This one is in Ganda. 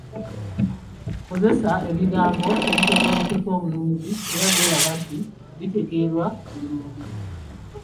Kozesa ebigambo ebitegeerekeka obulungi era by'olaba nti bitegeerwa buli muntu.